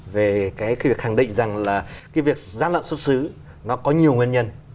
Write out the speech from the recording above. về cái việc khẳng định rằng là